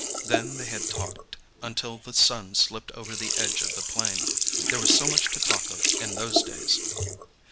Then they had talked until the sun slipped over the edge of the plain. There was so much to talk of in those days.